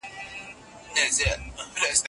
که کار ونه کړو نو وروسته پاتې کيږو.